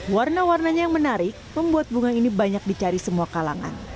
warna warnanya yang menarik membuat bunga ini banyak dicari semua kalangan